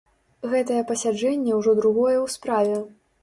Гэтае пасяджэнне ўжо другое ў справе.